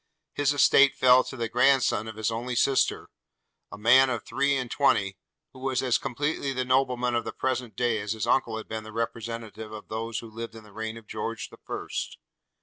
His estate fell to the grandson of his only sister, a man of three and twenty, who was as completely the nobleman of the present day, as his uncle had been the representative of those who lived in the reign of George the First.